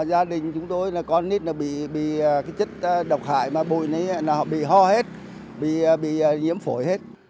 gia đình chúng tôi là con nít bị chích độc hại mà bụi này bị ho hết bị nhiễm phổi hết